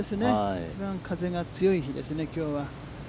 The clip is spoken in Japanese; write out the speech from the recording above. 一番、風が強い日ですね、きょうは。